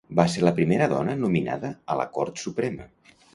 Va ser la primera dona nominada a la Cort Suprema.